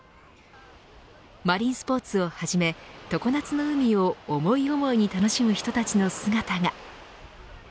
マリンスポーツをはじめ常夏の海を思い思いに楽しむ人たちの姿が。